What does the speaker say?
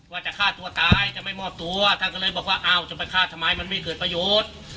ว่าจะฆ่าตัวตายจะไม่มอบตัวท่านก็เลยบอกว่าอ้าวจะไปฆ่าทำไมมันไม่เกิดประโยชน์